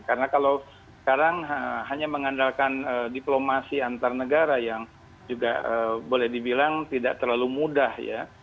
karena kalau sekarang hanya mengandalkan diplomasi antar negara yang juga boleh dibilang tidak terlalu mudah